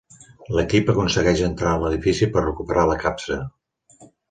L'equip aconsegueix entrar a l'edifici per recuperar la capsa.